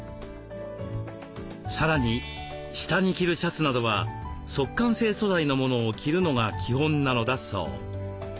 さらに下に着るシャツなどは速乾性素材のものを着るのが基本なのだそう。